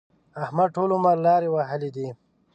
احمد ټول عمر لارې وهلې دي.